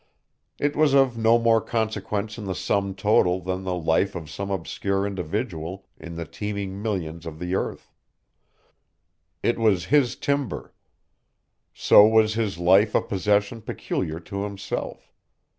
It was of no more consequence in the sum total than the life of some obscure individual in the teeming millions of the earth. It was his timber. So was his life a possession peculiar to himself.